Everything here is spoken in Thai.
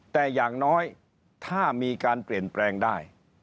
แต่อย่างน้อยถ้ามีการเปลี่ยนแปลงได้